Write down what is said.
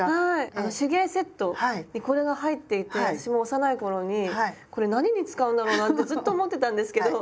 あの手芸セットにこれが入っていて私も幼い頃に「これ何に使うんだろうな」ってずっと思ってたんですけど。